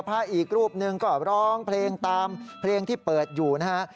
พระอีกรูปหนึ่งก็ร้องเพลงตามเพลงที่เปิดอยู่นะฮะ